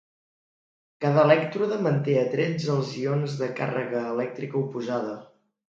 Cada elèctrode manté atrets els ions de càrrega elèctrica oposada.